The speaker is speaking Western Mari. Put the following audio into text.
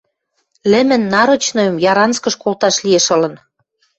Лӹмӹн нарочныйым Яранскыш колташ лиэш ылын...